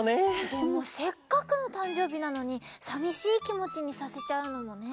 でもせっかくのたんじょうびなのにさみしいきもちにさせちゃうのもね。